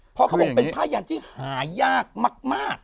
เพราะเขาบอกเป็นผ้ายันที่หายากมาก